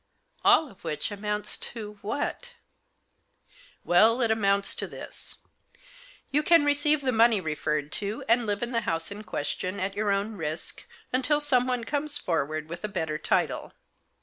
" All of which amounts to — what ?" "Well, it amounts to this. You can receive the money referred to, and live in the house in question, at your own risk, until someone comes forward with a better title.